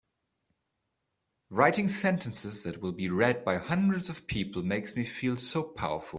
Writing sentences that will be read by hundreds of people makes me feel so powerful!